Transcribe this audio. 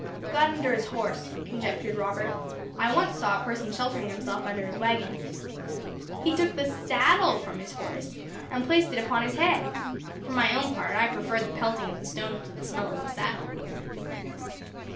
"Got under his horse," conjectured Robert. "I once saw a person sheltering himself under his wagon." "He took the saddle from his horse, and placed it upon his head. For my own part, I preferred the pelting of the stones to the smell of the saddle."